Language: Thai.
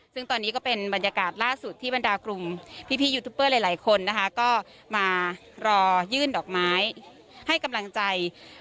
ซึ่งตอนนี้ก็เป็นบรรยากาศล่าสุดที่บรรดากลุ่มพี่ยูทูปเปอร์หลายคนนะคะก็มารอยื่นดอกไม้ให้กำลังใจ